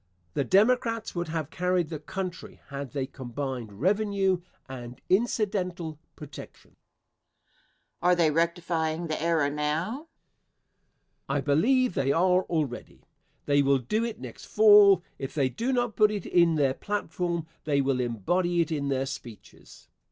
The Democrats would have carried the country had they combined revenue and incidental protection. Question. Are they rectifying the error now? Answer. I believe they are, already. They will do it next fall. If they do not put it in their platform they will embody it in their speeches.